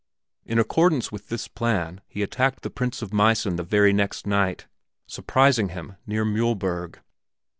In accordance with this plan he attacked the Prince of Meissen the very next night, surprising him near Mühlberg.